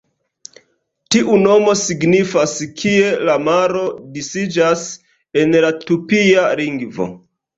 Tiu nomo signifas "Kie la maro disiĝas", en la tupia lingvo.